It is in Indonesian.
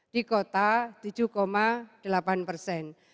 di kota tujuh delapan persen